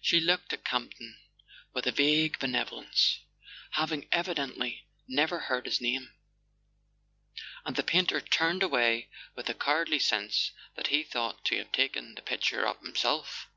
She looked at Campton with a vague benevolence, having evi¬ dently never heard his name; and the painter turned away with a cowardly sense that he ought to have taken the picture up himself.